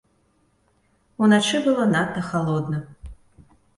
Уначы было надта халодна.